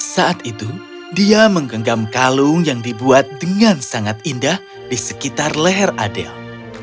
saat itu dia menggenggam kalung yang dibuat dengan sangat indah di sekitar leher adel